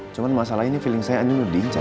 cuman masalah ini feeling saya andi udah diincar